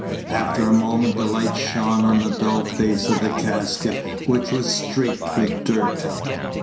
After a moment the light shone on the dull face of the casket which was streaked with dirt.